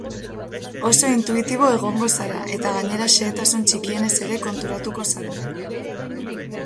Oso intuitibo egongo zara, eta gainera xehetasun txikienez ere konturatuko zara.